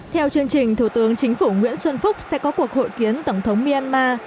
theo chương trình thủ tướng chính phủ nguyễn xuân phúc sẽ có cuộc hội kiến tổng thống myanmar